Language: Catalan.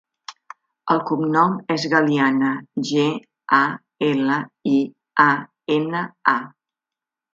El cognom és Galiana: ge, a, ela, i, a, ena, a.